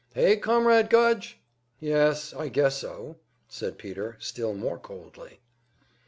Hey, Comrade Gudge?" "Yes, I guess so," said Peter, still more coldly.